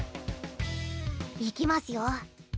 いきますよ。